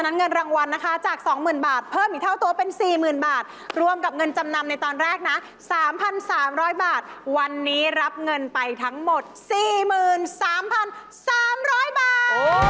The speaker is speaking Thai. เงินรางวัลนะคะจาก๒๐๐๐บาทเพิ่มอีกเท่าตัวเป็น๔๐๐๐บาทรวมกับเงินจำนำในตอนแรกนะ๓๓๐๐บาทวันนี้รับเงินไปทั้งหมด๔๓๓๐๐บาท